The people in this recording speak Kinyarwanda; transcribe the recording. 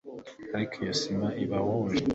ariko iyo sima ibahuje